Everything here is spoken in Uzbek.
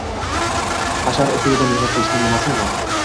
Hashar usulida mehnat qilishning nimasi yomon?